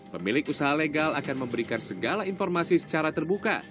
pemilik usaha legal akan memberikan segala informasi secara terbuka